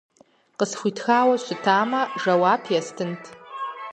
Къысхуитхауэ щытамэ, жэуап естынт.